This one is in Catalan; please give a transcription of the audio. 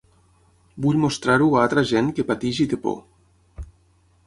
Vull mostrar-ho a altra gent que pateix i té por.